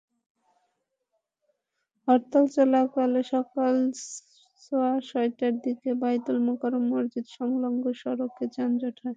হরতাল চলাকালে সকাল সোয়া দশটার দিকে বায়তুল মোকাররম মসজিদ সংলগ্ন সড়কে যানজট।